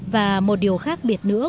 và một điều khác biệt nữa